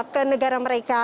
ke negara mereka